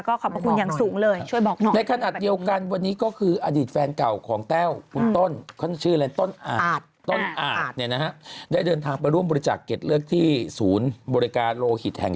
ขอบพระคุณอย่างสูงเลยช่วยบอกหน่อย